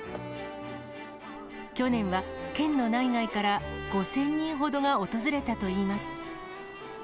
去年は県の内外から５０００人ほどが訪れたといいます。